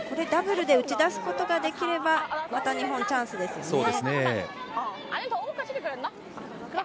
ダブルで打ち出すことができればまた日本、チャンスですね。